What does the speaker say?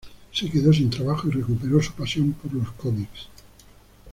Se quedó sin trabajo y recuperó su pasión por los cómics.